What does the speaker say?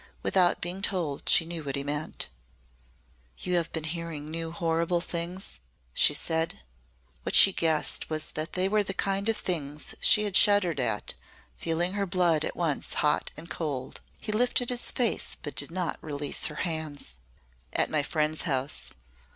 Without being told she knew what he meant. "You have been hearing new horrible things?" she said. What she guessed was that they were the kind of things she had shuddered at, feeling her blood at once hot and cold. He lifted his face but did not release her hands. "At my friend's house.